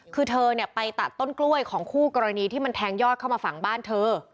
คือเธอเนี่ยไปตัดต้นกล้วยของคู่กรณีที่มันแทงยอดเข้ามาฝั่งบ้านเธอ